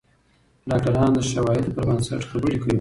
ډاکتران د شواهدو پر بنسټ خبرې کوي.